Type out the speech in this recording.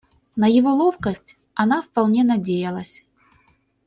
На его ловкость она вполне надеялась.